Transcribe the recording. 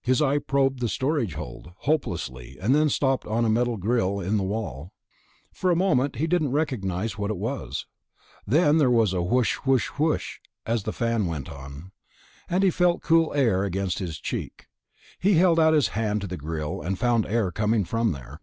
His eye probed the storage hold, hopelessly, and then stopped on a metal grill in the wall. For a moment, he didn't recognize what it was. Then there was a whoosh whoosh whoosh as a fan went on, and he felt cool air against his cheek. He held out his hand to the grill, found the air coming from there.